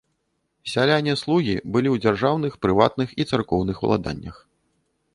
Сяляне-слугі былі ў дзяржаўных, прыватных і царкоўных уладаннях.